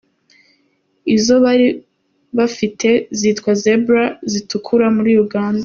Izo bari bafite zitwa Zebra zituruka muri Uganda.